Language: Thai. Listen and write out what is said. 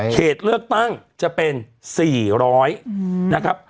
เขตเลือกตั้งจะเป็น๔๐๐นะครับ